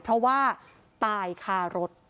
เพราะว่าตายคารถ